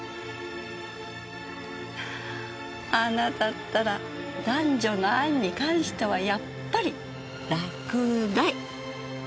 あなたったら男女の愛に関してはやっぱり落第。